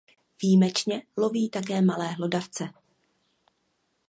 Výjimečně loví také malé hlodavce.